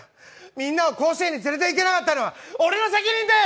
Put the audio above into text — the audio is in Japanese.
みんなを甲子園に連れていけなかったのは俺の責任です。